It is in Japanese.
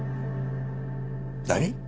何！？